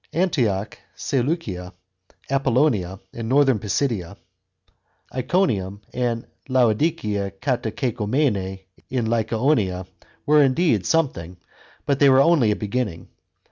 Antioch, Seleucia, Apollonia in northern Pisidia, Iconium and Laodicea CatacecaumenS in Lycaonia, were indeed something ; but they were only a beginning.